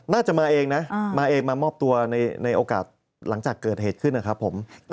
น่าจะมาเองนะมาเองมามอบตัวในโอกาสหลังจากเกิดเหตุขึ้นนะครับผม